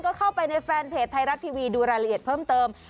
ก็เข้าไปในแฟนเพจไทยรัฐทีวีดูรายละเอียดเพิ่มเติม